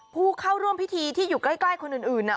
ผู้เข้าร่วมพิธีที่อยู่ใกล้คนอื่น